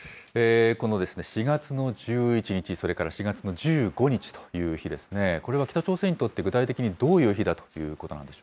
この４月の１１日、それから４月の１５日という日ですね、これは北朝鮮にとって具体的にどういう